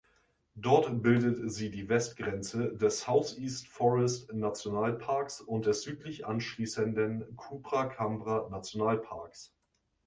Dort bildet sie die Westgrenze des South-East-Forest-Nationalparks und des südlich anschließenden Coopracambra-Nationalparks.